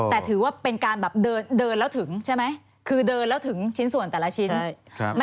แต่ถือว่าเป็นการแบบเดินแล้วถึงใช่ไหมคือเดินแล้วถึงชิ้นส่วนแต่ละชิ้น